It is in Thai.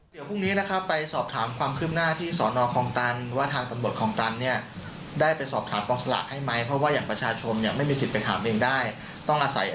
เดี๋ยวพรุ่งนี้จะสอบคำความคืบหน้าที่ศของตัล